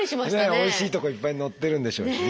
おいしいとこいっぱい載ってるんでしょうしね。